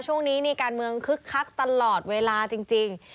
ช่วงนี้นี่การเมืองคึกคักตลอดเวลาจริง